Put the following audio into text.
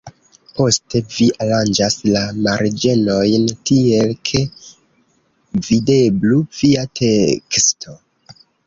Poste vi aranĝas la marĝenojn tiel, ke videblu via teksto.